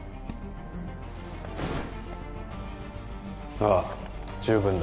ああ十分だ